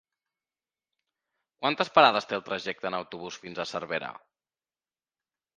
Quantes parades té el trajecte en autobús fins a Cervera?